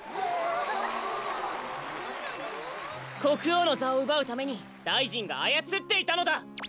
こくおうのざをうばうために大臣があやつっていたのだ！